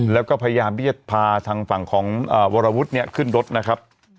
แล้วก็พยายามที่จะพาทางฝั่งของวรวุฒิเนี่ยขึ้นรถนะครับ